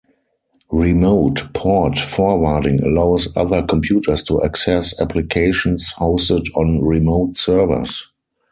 Remote port forwarding allows other computers to access applications hosted on remote servers.